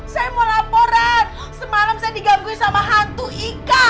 saya mau laporan semalam saya diganggu sama hantu ika